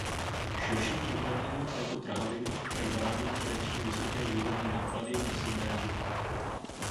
Širšímu uplatnění této trhaviny však brání především vysoké výrobní náklady na syntézu.